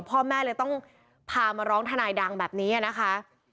พ่อแม่เลยต้องพามาร้องทนายดังแบบนี้นะคะ